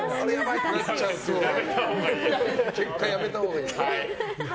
結果、やめたほうがいい。